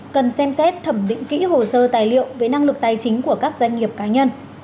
cần xem xét thẩm định kỹ hồ sơ tài liệu về năng lực tài chính của các doanh nghiệp cá nhân